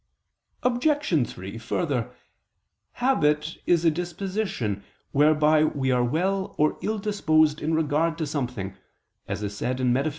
Obj. 3: Further, habit is a disposition whereby we are well or ill disposed in regard to something, as is said (Metaph.